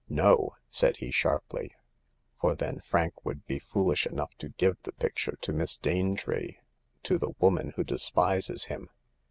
" No !" said he, sharply —'* for then Frank would be foolish enough to give the picture to Miss Danetree — ^to the woman who despises him.